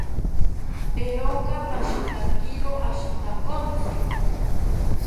Eeroka pashitakiro ashitakontzi